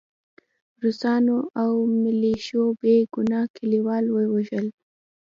روسانو او ملیشو بې ګناه کلیوال ووژل